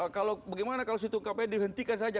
kalau bagaimana kalau si tungg kpu dihentikan saja